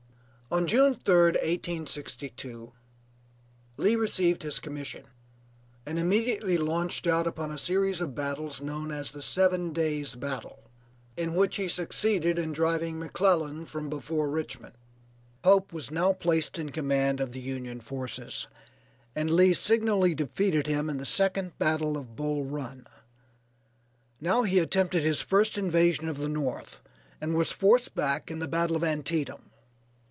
On June 3d, 1862, Lee received his commission, and immediately launched out upon a series of battles known as the seven days battle, in which he succeeded in driving McClellan from before Richmond. Pope was now placed in command of the Union forces, and Lee signally defeated him in the second battle of Bull Run. Now he attempted his first invasion of the North, and was forced back in the battle of Antietam.